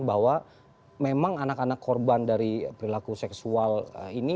bahwa memang anak anak korban dari perilaku seksual ini